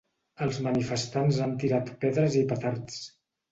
Els manifestants han tirat pedres i petards.